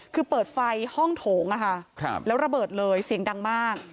คือเปิดไฟห้องโถงอะค่ะแล้วระเบิดเลยเสียงดังมาก